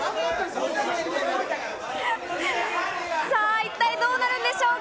一体どうなるんでしょうか。